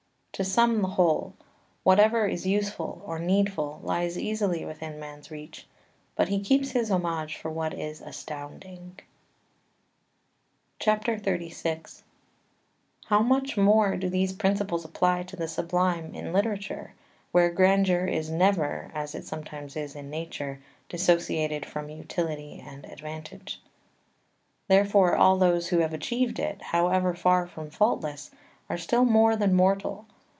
To sum the whole: whatever is useful or needful lies easily within man's reach; but he keeps his homage for what is astounding. XXXVI How much more do these principles apply to the Sublime in literature, where grandeur is never, as it sometimes is in nature, dissociated from utility and advantage. Therefore all those who have achieved it, however far from faultless, are still more than mortal.